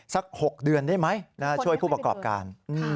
สัก๖เดือนได้ไหมช่วยผู้ประกอบการ